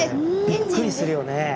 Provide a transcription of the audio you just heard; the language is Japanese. びっくりするよね。